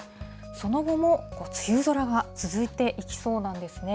その後も梅雨空が続いていきそうなんですね。